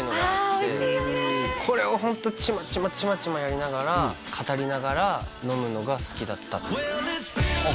これをホントちまちまちまちまやりながら語りながら飲むのが好きだったあっ